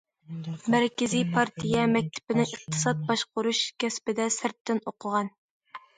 مەركىزىي پارتىيە مەكتىپىنىڭ ئىقتىساد باشقۇرۇش كەسپىدە سىرتتىن ئوقۇغان.